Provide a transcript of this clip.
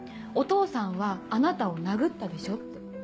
「お父さんはあなたを殴ったでしょ」って。